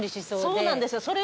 そうなんですよ。